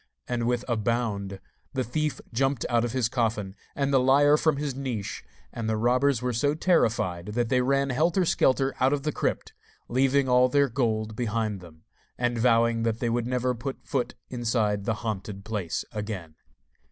And with a bound the thief jumped out of his coffin and the liar from his niche, and the robbers were so terrified that they ran helter skelter out of the crypt, leaving all their gold behind them, and vowing that they would never put foot inside the haunted place again.